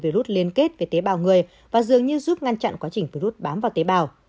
virus liên kết với tế bào người và dường như giúp ngăn chặn quá trình virus bám vào tế bào